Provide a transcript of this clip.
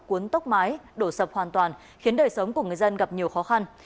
cuốn tốc mái đổ sập hoàn toàn khiến đời sống của người dân gặp nhiều khó khăn